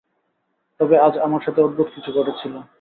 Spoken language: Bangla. তবে আজ আমার সাথে অদ্ভুত কিছু ঘটেছিল।